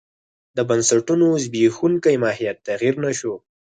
د بنسټونو زبېښونکی ماهیت تغیر نه شو.